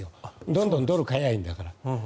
どんどんドルを買えばいいんだから。